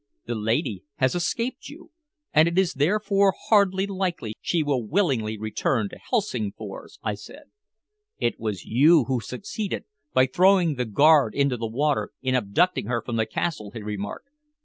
"The lady has escaped you, and it is therefore hardly likely she will willingly return to Helsingfors," I said. "It was you who succeeded, by throwing the guard into the water, in abducting her from the castle," he remarked.